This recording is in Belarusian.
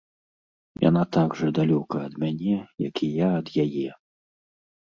Яна так жа далёка ад мяне, як і я ад яе.